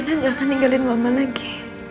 jadi rina juga akan ninggalin mama lagi